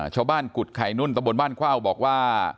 ชาวบ้านกุฏไข่นุ่นตะบนบ้านคว้าวบอกว่า